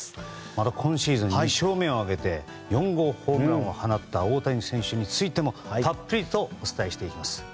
また今シーズン２勝目を挙げて４号ホームランを放った大谷選手についてもたっぷりとお伝えします。